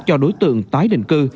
cho đối tượng tái định cư